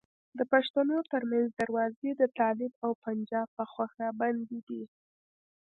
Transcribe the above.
د پښتنو ترمنځ دروازې د طالب او پنجاب په خوښه بندي دي.